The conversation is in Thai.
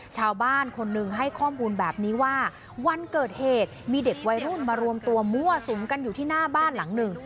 ชาวบ้านคนหนึ่งให้ข้อมูลแบบนี้ว่าวันเกิดเหตุมีเด็กวัยรุ่นมารวมตัวมั่วสุมกันอยู่ที่หน้าบ้านหลังหนึ่ง